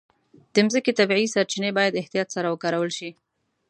د مځکې طبیعي سرچینې باید احتیاط سره وکارول شي.